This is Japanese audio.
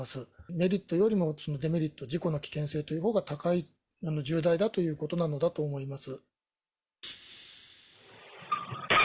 メリットよりもデメリット、事故の危険性というほうが高い、重大だということなのだと思います。